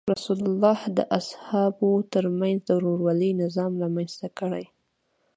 رسول الله د صحابه وو تر منځ د ورورولۍ نظام رامنځته کړ.